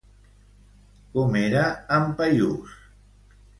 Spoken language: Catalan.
Com era en Paiús?